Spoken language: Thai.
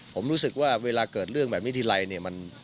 ผมรู้สึกว่าเวลาเกิดเรื่องแบบนี้ทีไรเนี่ย